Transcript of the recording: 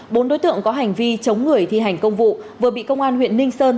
bốn đối tượng có hành vi chống người thi hành công vụ vừa bị công an huyện ninh sơn